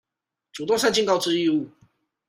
主動善盡告知義務